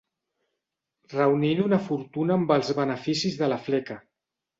Reunint una fortuna amb els beneficis de la fleca.